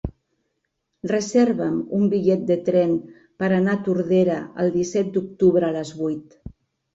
Reserva'm un bitllet de tren per anar a Tordera el disset d'octubre a les vuit.